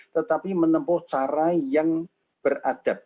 tetapi menempuh cara yang beradab